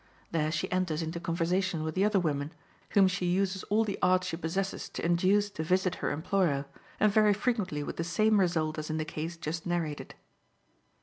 There she enters into conversation with the other women, whom she uses all the art she possesses to induce to visit her employer, and very frequently with the same result as in the case just narrated.